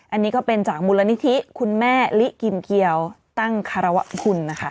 อันนี้ก็เป็นจากมูลนิธิคุณแม่ลิกิมเกียวตั้งคารวะคุณนะคะ